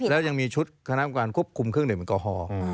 แล้วยังมีชุดคณะการควบคุมเครื่องหนึ่งเป็นกอฮอล์